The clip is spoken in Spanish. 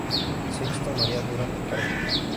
Sixto María Durán Cárdenas